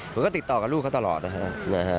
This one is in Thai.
ผมก็ติดต่อกับลูกเขาตลอดนะฮะ